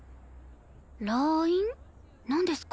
ライン？なんですか？